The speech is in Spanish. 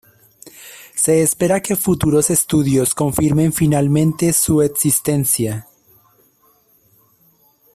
Se espera que futuros estudios confirmen finalmente su existencia.